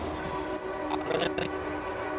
আমরা জানি না ভিতরে কী ঘটছে।